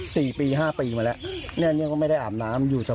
สี่ปีห้าปีมาแล้วเนี่ยก็ไม่ได้อาบน้ำอยู่สัก